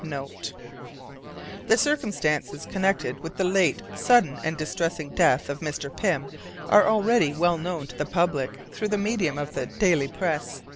NOTE THE circumstances connected with the late sudden and distressing death of Mr. Pym are already well known to the public through the medium of the daily press.